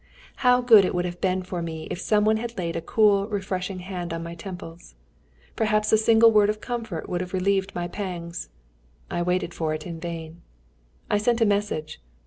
How good it would have been for me if some one had laid a cool, refreshing hand upon my temples! Perhaps a single word of comfort would have relieved my pangs! I waited for it in vain. I sent a message.